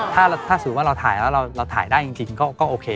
ถ้าสมมุติว่าเราถ่ายแล้วเราถ่ายได้จริงก็โอเค